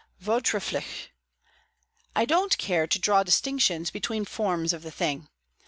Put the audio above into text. "Vortrefflich!") "I don't care to draw distinctions between forms of the thing.